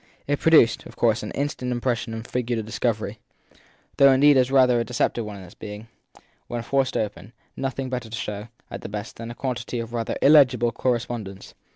It produced of course an instant impression and figured as a discovery; though indeed as rather a deceptive one on its having, when forced open, nothing better to show, at the best, than a quantity of rather illegible correspondence.